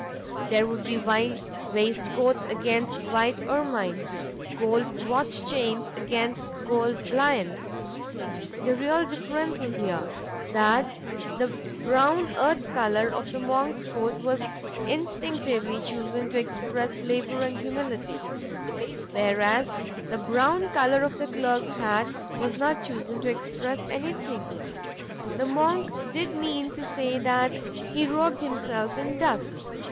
There would be white waistcoats against white ermine; gold watch chains against gold lions. The real difference is this: that the brown earth color of the monk's coat was instinctively chosen to express labor and humility, whereas the brown color of the clerk's hat was not chosen to express anything. The monk did mean to say that he robed himself in dust.